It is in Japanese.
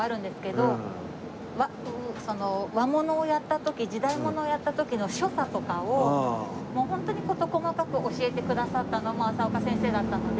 その和物をやった時時代物をやった時の所作とかをもうホントに事細かく教えてくださったのも朝丘先生だったので。